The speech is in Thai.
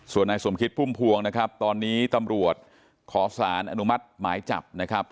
ส่วนนายสมคิดพุ่มพวงนะครับตอนนี้ตำรวจขอสารอนุมัติหมายจับนะครับ